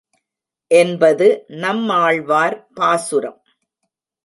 என்பது நம்மாழ்வார் பாசுரம்.